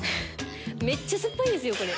めっちゃ酸っぱいですよこれ。